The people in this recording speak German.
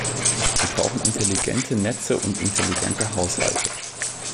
Wir brauchen intelligente Netze und intelligente Haushalte.